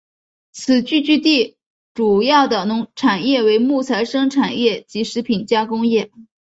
此聚居地主要的产业为木材生产业及食品加工业。